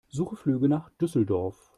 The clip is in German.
Suche Flüge nach Düsseldorf.